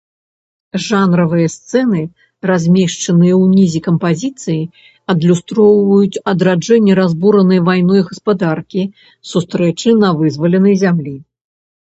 Жанравыя сцэны, размешчаныя ўнізе кампазіцыі, адлюстроўваюць адраджэнне разбуранай вайной гаспадаркі, сустрэчы на вызваленай зямлі.